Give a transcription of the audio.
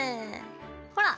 ほら！